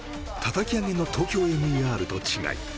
叩き上げのＴＯＫＹＯＭＥＲと違い